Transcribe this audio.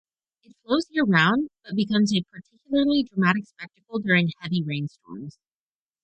It flows year-round but becomes a particularly dramatic spectacle during heavy rain-storms.